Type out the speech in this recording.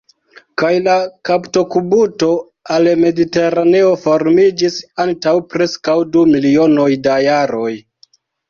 Kaj la kaptokubuto al Mediteraneo formiĝis antaŭ preskaŭ du milionoj da jaroj.